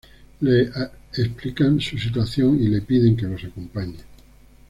Le explican su situación y le piden que los acompañe.